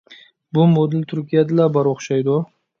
بۇ مودېل تۈركىيەدىلا بار ئوخشايدۇ.